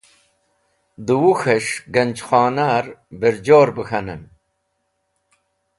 Dẽ Wuk̃hes̃h ganjkhona’r bẽrjor be k̃hanen.